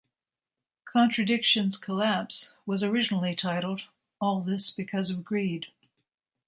"Contradictions Collapse" was originally titled "All This Because of Greed".